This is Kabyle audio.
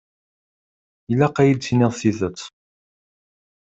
Ilaq ad iyi-d-tiniḍ tidet.